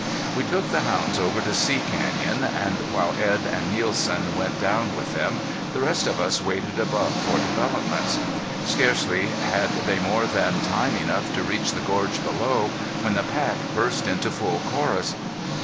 We took the hounds over to See Canyon, and while Edd and Nielsen went down with them, the rest of us waited above for developments. Scarcely had they more than time enough to reach the gorge below when the pack burst into full chorus.